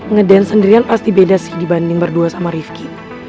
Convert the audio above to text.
ngedance sendirian pasti beda sih dibanding berdua sama rifki